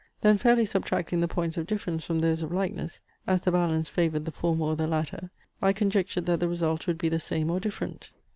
Then fairly subtracting the points of difference from those of likeness, as the balance favoured the former or the latter, I conjectured that the result would be the same or different.